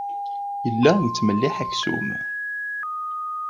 Yella yettmelliḥ aksum.